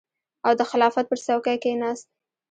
او د خلافت پر څوکۍ کېناست.